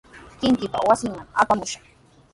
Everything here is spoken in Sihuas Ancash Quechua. Kikinpa wasinmanmi apamaashun.